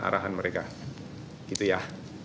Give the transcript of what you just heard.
arahan mereka gitu ya